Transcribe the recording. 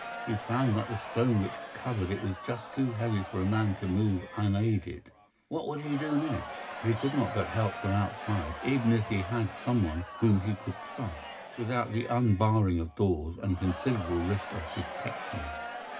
He found that the stone which covered it was just too heavy for a man to move unaided. What would he do next? He could not get help from outside, even if he had some one whom he could trust, without the unbarring of doors and considerable risk of detection.